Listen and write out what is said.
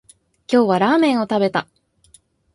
今日はラーメンを食べた